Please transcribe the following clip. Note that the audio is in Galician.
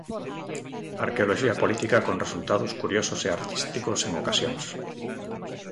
Arqueoloxía política con resultados curiosos e artísticos en ocasións.